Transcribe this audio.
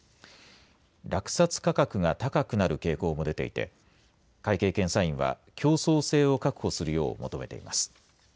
落札価格が高くなる傾向も出ていて、会計検査院は競争性を確保するよう求めています。